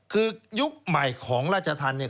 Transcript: คือยุคใหม่ของราชธรรมเนี่ย